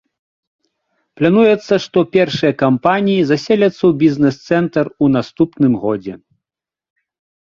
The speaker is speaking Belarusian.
Плануецца, што першыя кампаніі заселяцца ў бізнес-цэнтр у наступным годзе.